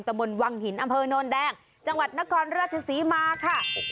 มนต์วังหินอำเภอโนนแดงจังหวัดนครราชศรีมาค่ะ